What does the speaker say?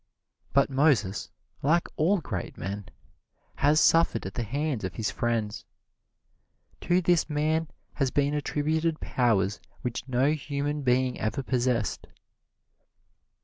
But Moses, like all great men, has suffered at the hands of his friends. To this man has been attributed powers which no human being ever possessed.